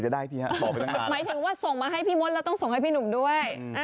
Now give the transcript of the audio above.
ถ้าส่งมาให้พี่มดเราต้องส่งให้พี่หนุ่มด้วย